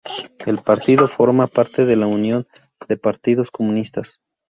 El partido forma parte de la Unión de Partidos Comunistas.